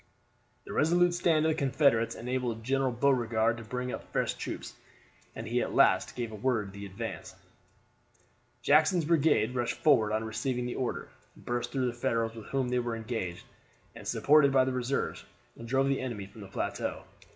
The resolute stand of the Confederates enabled General Beauregard to bring up fresh troops, and he at last gave the word to advance. Jackson's brigade rushed forward on receiving the order, burst through the Federals with whom they were engaged, and, supported by the reserves, drove the enemy from the plateau.